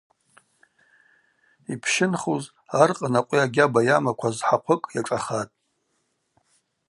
Йпщынхуз аркъан акъви агьаба йамакваз хӏахъвыкӏ йашӏахатӏ.